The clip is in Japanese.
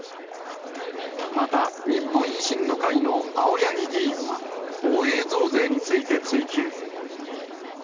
また、日本維新の会の青柳議員は、防衛増税について追及。